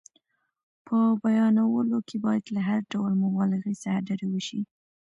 په بیانولو کې باید له هر ډول مبالغې څخه ډډه وشي.